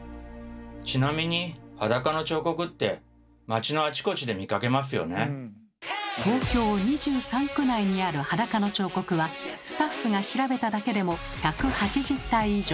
ちなみに東京２３区内にある裸の彫刻はスタッフが調べただけでも１８０体以上。